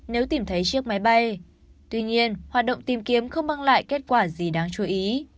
nếu tìm thấy chiếc máy bay tuy nhiên hoạt động tìm kiếm không mang lại kết quả gì đáng chú ý